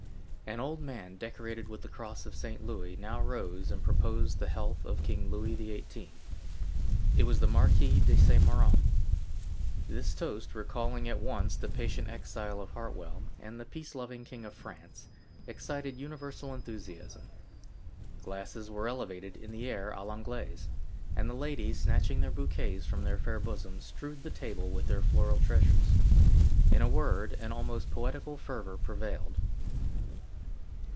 An old man, decorated with the cross of Saint Louis, now rose and proposed the health of King Louis XVIII. It was the Marquis de Saint Méran. This toast, recalling at once the patient exile of Hartwell and the peace loving King of France, excited universal enthusiasm; glasses were elevated in the air à l'Anglaise, and the ladies, snatching their bouquets from their fair bosoms, strewed the table with their floral treasures. In a word, an almost poetical fervor prevailed.